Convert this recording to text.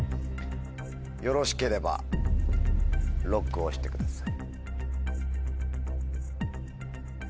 よろしければＬＯＣＫを押してください。